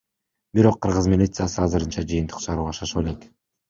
Бирок кыргыз милициясы азырынча жыйынтык чыгарууга шашыла элек.